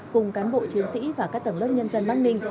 cùng cán bộ chiến sĩ và các tầng lớp nhân dân bắc ninh